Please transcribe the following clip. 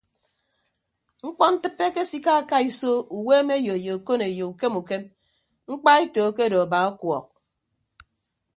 Mkpọntịppe akesikaaka iso uweemeyo ye okoneyo ukem ukem mkpaeto akedo aba ọkuọọk.